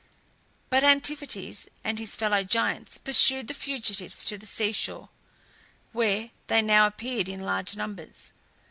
But Antiphates and his fellow giants pursued the fugitives to the sea shore, where they now appeared in large numbers.